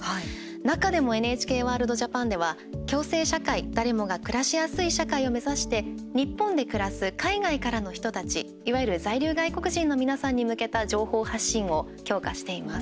中でもＮＨＫワールドＪＡＰＡＮでは共生社会、誰もが暮らしやすい社会を目指して日本で暮らす海外からの人たちいわゆる在留外国人の皆さんに向けた情報発信を強化しています。